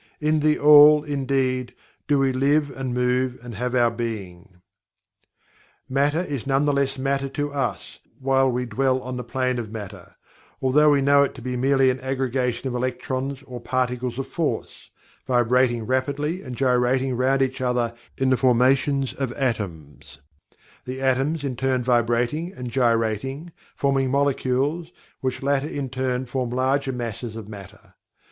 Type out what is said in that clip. In THE ALL, indeed, do "we live and move and have our being." Matter is none the less Matter to us, while we dwell on the plane of Matter, although we know it to be merely an aggregation of "electrons," or particles of Force, vibrating rapidly and gyrating around each other in the formations of atoms; the atoms in turn vibrating and gyrating, forming molecules, which latter in turn form larger masses of Matter.